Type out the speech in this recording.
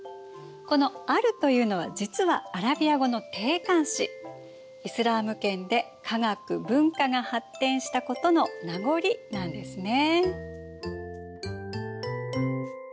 このアルというのは実はアラビア語の定冠詞イスラーム圏で科学文化が発展したことの名残なんですね。